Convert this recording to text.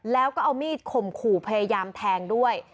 แล้วก็เอามีดข่มขู่พยายามแทงด้วย